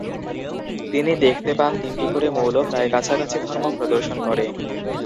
তিনি দেখতে পান তিনটি করে মৌল প্রায় কাছাকাছি ধর্ম প্রদর্শন করে।